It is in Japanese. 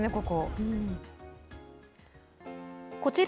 ここ。